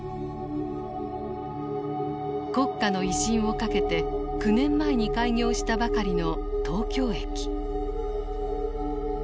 国家の威信を懸けて９年前に開業したばかりの東京駅。